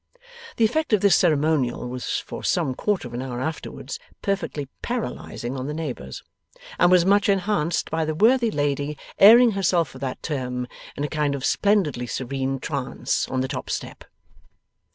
The effect of this ceremonial was for some quarter of an hour afterwards perfectly paralyzing on the neighbours, and was much enhanced by the worthy lady airing herself for that term in a kind of splendidly serene trance on the top step.